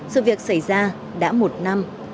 sự việc xảy ra đã một năm